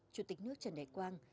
chủ tịch nước trần đại quang